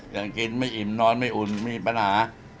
ยังกินไม่อิ่มนอนไม่อุ่นมีปัญหา